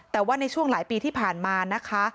แต่ว่าในช่วงหลายปีที่ผ่านมานะคะ